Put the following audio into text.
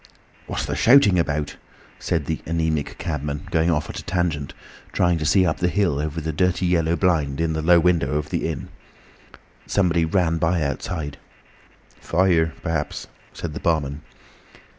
"What's the shouting about!" said the anaemic cabman, going off at a tangent, trying to see up the hill over the dirty yellow blind in the low window of the inn. Somebody ran by outside. "Fire, perhaps," said the barman.